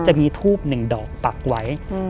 จะมีทูบหนึ่งดอกปักไว้อืม